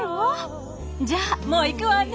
じゃあもう行くわね。